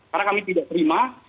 karena kami tidak terima